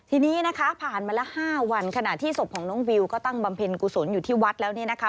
ทีนี้นะคะผ่านมาละ๕วันขณะที่ศพของน้องวิวก็ตั้งบำเพ็ญกุศลอยู่ที่วัดแล้วเนี่ยนะคะ